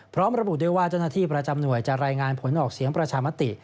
พร้อมระบุด้วยว่าเจ้าหน้าที่ประจำหน่วยจะรายงานผลออกเสียงประชามติ